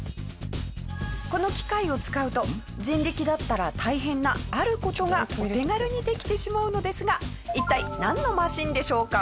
この機械を使うと人力だったら大変なある事がお手軽にできてしまうのですが一体なんのマシンでしょうか？